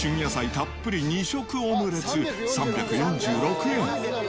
たっぷり２色オムレツ３４６円。